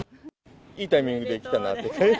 いいタイミングで来たなと。